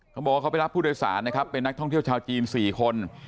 เขาบอกว่าเขาไปรับผู้โดยสารนะครับเป็นนักท่องเที่ยวชาวจีน๔คน